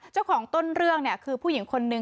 เจ้าของต้นเรื่องเนี่ยคือผู้หญิงคนนึง